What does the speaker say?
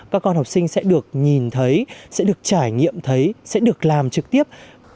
các con học sinh sẽ được nhìn thấy sẽ được trải nghiệm thấy sẽ được làm trực tiếp